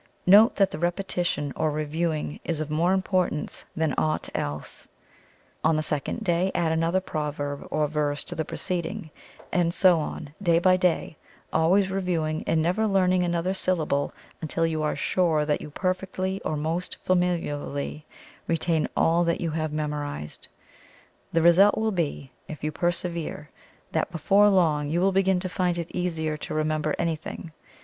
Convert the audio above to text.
Note that the repetition or reviewing is of more importance than aught else. On the second day add another proverb or verse to the preceding, and so on, day by day, always reviewing and never learning another syllable until you are sure that you perfectly or most familiarly retain all which you have memorized. The result will be, if you persevere, that before long you will begin to find it easier to remember anything.